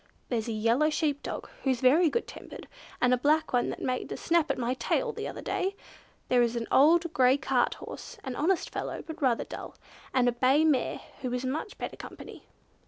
There's a yellow sheep dog, who's very good tempered, and a black one that made a snap at my tail the other day. There is an old grey cart horse, an honest fellow, but rather dull; and a bay mare who is much better company.